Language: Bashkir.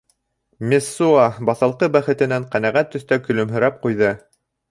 Мессуа баҫалҡы, бәхетенән ҡәнәғәт төҫтә көлөмһөрәп ҡуйҙы.